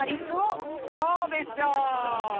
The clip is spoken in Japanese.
そうでしょう！